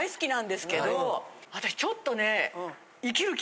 私ちょっとね。